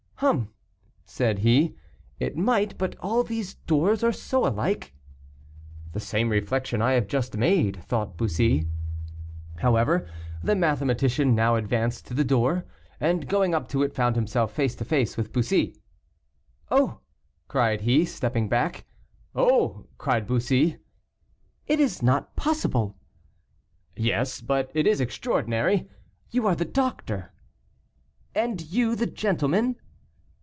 "Hum!" said he, "it might, but all these doors are so alike." "The same reflection I have just made," thought Bussy. However, the mathematician now advanced to the next door, and going up to it, found himself face to face with Bussy. "Oh!" cried he, stepping back. "Oh!" cried Bussy. "It is not possible." "Yes; but it is extraordinary. You are the doctor?" "And you the gentleman?"